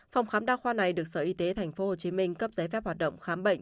phòng khám đa khoa này được sở y tế tp hcm cấp giấy phép hoạt động khám bệnh